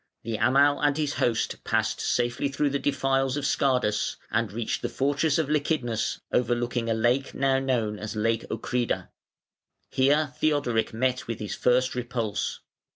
The Amal and his host passed safely through the defiles of Scardus and reached the fortress of Lychnidus overlooking a lake now known as Lake Ochrida. Here Theodoric met with his first repulse.